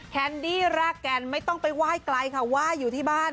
แฮนดี้ประกันไม่ต้องไปว่ายไกลค่ะว่ายอยู่ที่บ้าน